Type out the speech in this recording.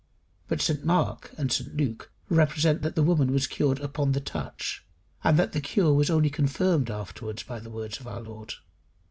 But St Mark and St Luke represent that the woman was cured upon the touch, and that the cure was only confirmed afterwards by the words of our Lord.